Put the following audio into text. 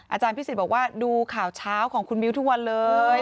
อาจารย์พิสิทธิ์บอกว่าดูข่าวเช้าของคุณมิ้วทุกวันเลย